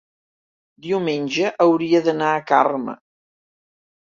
diumenge hauria d'anar a Carme.